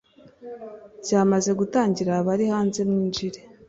byamaze gutangira abarihanze mwinjire